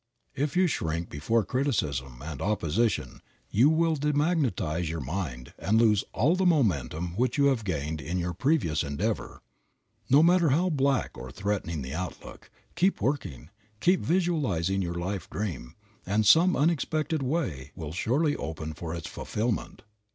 If you shrink before criticism and opposition you will demagnetize your mind and lose all the momentum which you have gained in your previous endeavor. No matter how black or threatening the outlook, keep working, keep visualizing your life dream, and some unexpected way will surely open for its fulfillment.